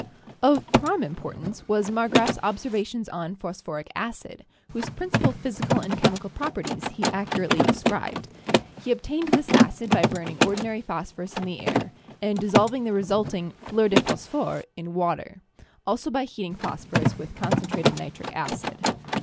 Of prime importance was Marggrafs observations on phosphoric acid, whose principal physical and chemical properties he accurately described. He obtained this acid by burning ordinary phosphorus in the air, and dissolving the resulting "fleurs de phosphore" in water; also by heating phosphorus with concentrated nitric acid.